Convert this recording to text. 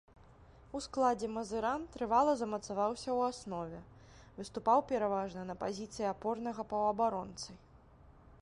У складзе мазыран трывала замацаваўся ў аснове, выступаў пераважна на пазіцыі апорнага паўабаронцы.